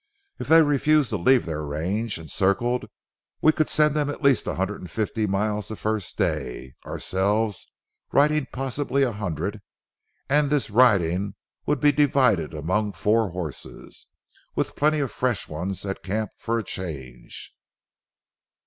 If they refused to leave their range and circled, we could send them at least a hundred and fifty miles the first day, ourselves riding possibly a hundred, and this riding would be divided among four horses, with plenty of fresh ones at camp for a change.